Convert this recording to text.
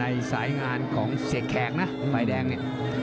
ในสายงานของเสกแขกนะไฟแดงเนี่ย